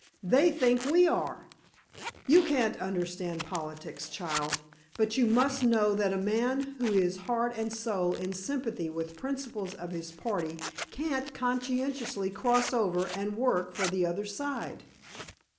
"They think we are! You can't understand politics, child, but you must know that a man who is heart and soul in sympathy with the principles of his party can't conscientiously cross over and work for the other side."